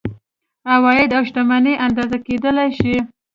عواید او شتمني اندازه کیدلی شي.